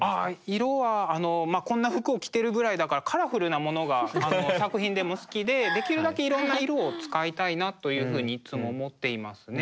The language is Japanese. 色はあのこんな服を着てるぐらいだからカラフルなものが作品でも好きでできるだけいろんな色を使いたいなというふうにいつも思っていますね。